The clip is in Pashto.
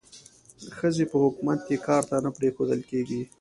ښځې په حکومت کې کار ته نه پریښودل کېږي.